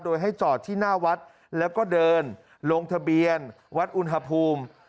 โดยให้จอดที่หน้าวัดแล้วก็เดินลงทะเบียนวัดอุณหภูมิ